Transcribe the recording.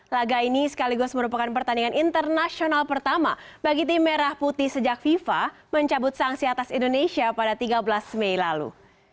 laga ini sekaligus merupakan pertandingan internasional pertama bagi tim merah putih sejak fifa mencabut sanksi atas indonesia pada tiga belas mei lalu